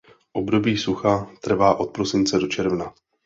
Období sucha trvá od prosince do června.